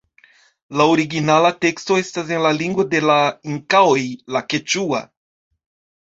La originala teksto estas en la lingvo de la Inkaoj la keĉua.